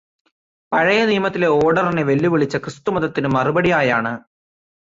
പഴയനിയമത്തിലെ ഓര്ഡറിനെ വെല്ലുവിളിച്ച ക്രിസ്തുമതത്തിന് മറുപടിയായാണ്